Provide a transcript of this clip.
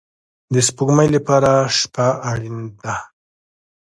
د سپوږمۍ لپاره شپه اړین ده